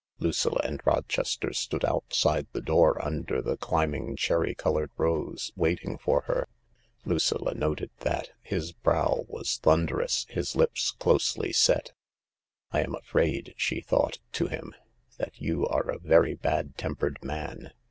Lucilla and Rochester stood outside the door under the climbing cherry coloured rose, waiting for her. Lucilla noted that his brow was thunderous, his lips closely set. " I am afraid," she thought to him, " that you are a very bad tempered man.